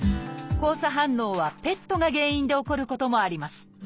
交差反応はペットが原因で起こることもあります。